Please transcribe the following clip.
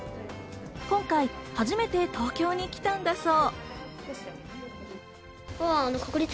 今回、初めて東京に来たんだそう。